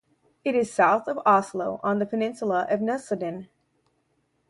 It is south of Oslo on the peninsula of Nesodden.